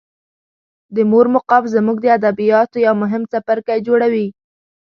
د مور مقام زموږ د ادبیاتو یو مهم څپرکی جوړوي.